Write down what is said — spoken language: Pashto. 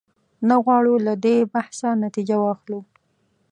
نه غواړو له دې بحثه نتیجه واخلو.